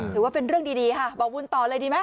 ถือว่าเป็นเรื่องดีค่ะบอกบุญต่อเลยดีไหม